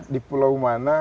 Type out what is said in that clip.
di pulau mana